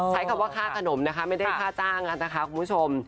ใช้คำว่าค่าขนมนะคะไม่ได้ค่าจ้างนะคะคุณผู้ชม